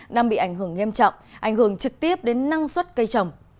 đang bị ảnh hưởng nghiêm trọng ảnh hưởng trực tiếp đến năng suất cây trồng